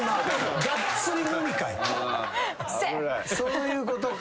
そういうことか。